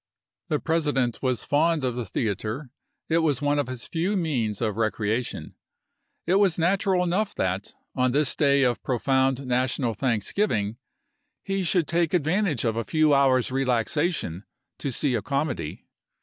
The President was fond of the theater ; it was one of his few means of recreation. It was Api.u,i866. natural enough that, on this day of profound national thanksgiving, he should take advantage of a few hours' relaxation to see a comedy.